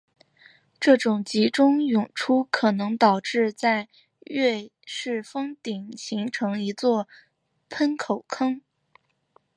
这种集中涌出可能导致在月丘峰顶形成了一座喷口坑。